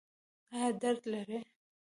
ایا درد لرئ؟